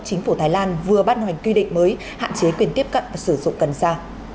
chính phủ thái lan vừa ban hành quy định mới hạn chế quyền tiếp cận và sử dụng cần sa